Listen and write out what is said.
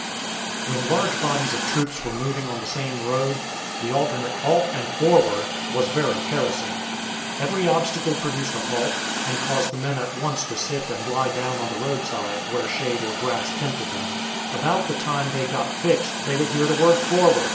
When large bodies of troops were moving on the same road, the alternate "halt" and "forward" was very harassing. Every obstacle produced a halt, and caused the men at once to sit and lie down on the roadside where shade or grass tempted them; about the time they got fixed they would hear the word "forward!"